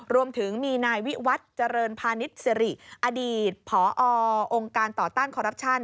รวมถึงมีนายวิวัตรเจริญพาณิชย์สิริอดีตผอองค์การต่อต้านคอรัปชั่น